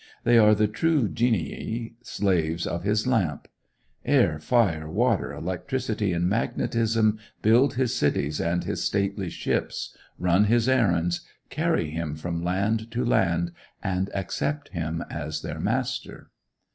They are the true genii, slaves of his lamp. Air, fire, water, electricity, and magnetism build his cities and his stately ships, run his errands, carry him from land to land, and accept him as their master.